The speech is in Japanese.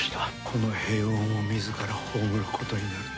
この平穏を自ら葬ることになるとは。